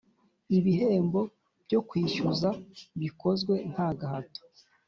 Ibihembo byo kwishyuza bikozwe nta gahato